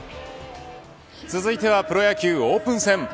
続いてはプロ野球オープン戦。